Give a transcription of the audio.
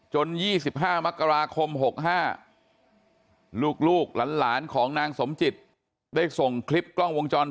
๒๕มกราคม๖๕ลูกหลานของนางสมจิตได้ส่งคลิปกล้องวงจร